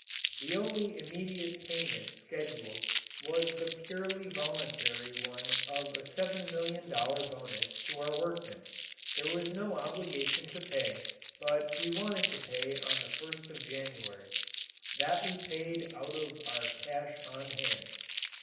The only immediate payment scheduled was the purely voluntary one of a seven million dollar bonus to our workmen. There was no obligation to pay, but we wanted to pay on the first of January. That we paid out of our cash on hand.